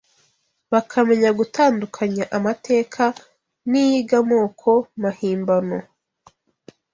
bakamenya gutandukanya Amateka n’Iyigamoko mahimbano